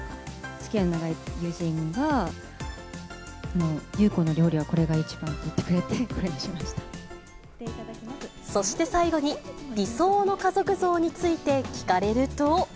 つきあい長い友人が、優子の料理はこれが一番って言ってくれて、そして最後に、理想の家族像について聞かれると。